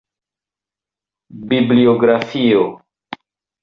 Bibliografio.